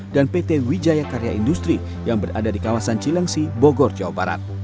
dan pt wijaya karya industri yang berada di kawasan cilengsi bogor jawa barat